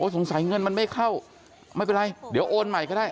เงินมันไม่เข้าไม่เป็นไรเดี๋ยวโอนใหม่ก็ได้